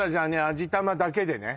味玉だけでね